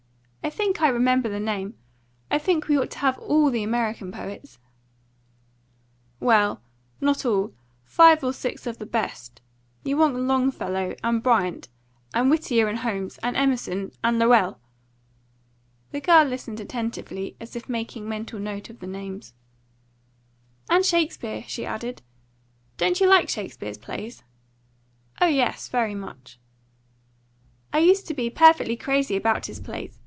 I think I remember the name. I think we ought to have ALL the American poets." "Well, not all. Five or six of the best: you want Longfellow and Bryant and Whittier and Holmes and Emerson and Lowell." The girl listened attentively, as if making mental note of the names. "And Shakespeare," she added. "Don't you like Shakespeare's plays?" "Oh yes, very much." "I used to be perfectly crazy about his plays.